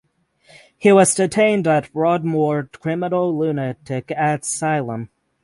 He was detained at Broadmoor Criminal Lunatic Asylum.